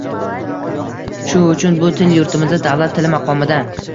Shu uchun bu til yurtimizda davlat tili maqomida